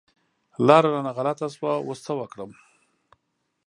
لاره رانه غلطه شوه، اوس څه وکړم؟